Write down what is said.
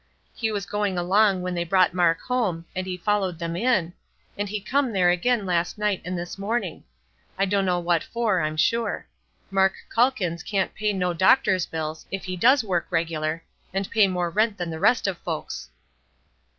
He was going along when they brought Mark home, and he followed them in, and he come there again last night and this morning. I dunno what for, I'm sure. Mark Calkins can't pay no doctor's bills, if he does work regular, and pay more rent than the rest of folks."